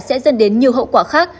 sẽ dân đến nhiều hậu quả khác